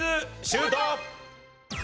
シュート！